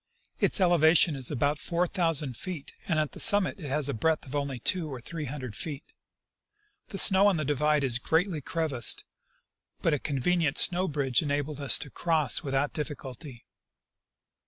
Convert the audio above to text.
Its elevation is about four thousand feet, and at the summit it has a breadth of only two or three hundred feet. The snow on the divide is greatly crevassed, but a convenient snow bridge enabled us to cross without diffi culty.